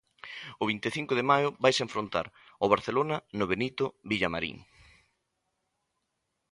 O vinte e cinco de maio vaise enfrontar ao Barcelona no Benito Villamarín.